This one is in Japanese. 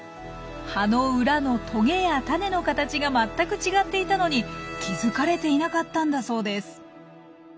葉の裏のトゲやタネの形が全く違っていたのに気付かれていなかったんだそうです。